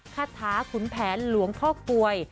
คาถาขุนแผนหลวงพ่อกลวย